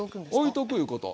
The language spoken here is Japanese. おいとくいうこと。